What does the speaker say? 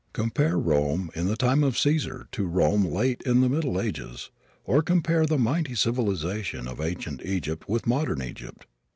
Compare Rome in the time of Caesar to Rome late in the Middle Ages, or compare the mighty civilization of ancient Egypt with modern Egypt.